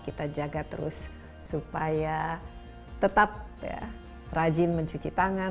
kita jaga terus supaya tetap rajin mencuci tangan